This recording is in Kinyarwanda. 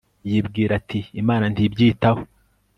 yibwira ati imana ntibyitaho